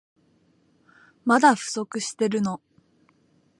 まだ不足してるの？